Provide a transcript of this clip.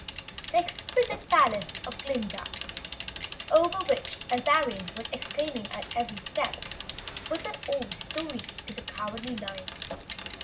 The exquisite palace of Glinda, over which Azarine was exclaiming at every step, was an old story to the Cowardly Lion.